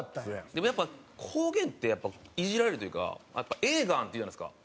でもやっぱ方言ってイジられるというか「えーがん」って言うじゃないですか。